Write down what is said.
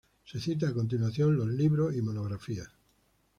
Se citan a continuación los libros y monografías.